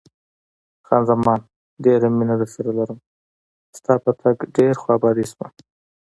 خان زمان: ډېره مینه درسره لرم، ستا په تګ ډېره خوابدې شوم.